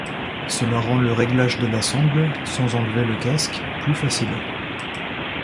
Cela rend le réglage de la sangle, sans enlever le casque, plus facile.